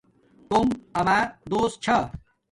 توم اما دوست چھا